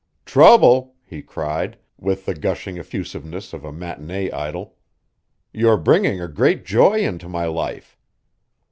"Trouble!" he cried, with the gushing effusiveness of a matinée idol. "You're bringing a great joy into my life."